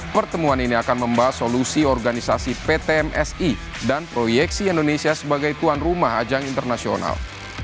pertemuan ini akan membahas solusi organisasi pt msi dan proyeksi indonesia sebagai tuan rumah ajang internasional